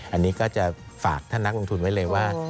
อันนี้ก็จะฝากท่านนักลงทุนไว้เลยว่า